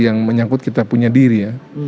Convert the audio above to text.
yang menyangkut kita punya diri ya